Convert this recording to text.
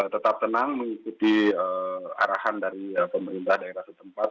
tetap tenang mengikuti arahan dari pemerintah daerah setempat